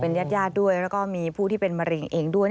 ญาติญาติด้วยแล้วก็มีผู้ที่เป็นมะเร็งเองด้วย